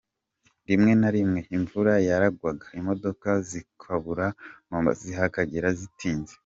Rimwe na rimwe imvura yaragwaga imodoka zibukura Mombasa zikahagera zitinze.